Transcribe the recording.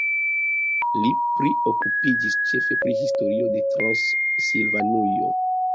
Li priokupiĝis ĉefe pri historio de Transilvanujo.